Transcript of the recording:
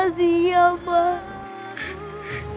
itu rahasia pak